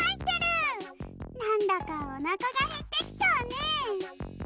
なんだかおなかがへってきちゃうね。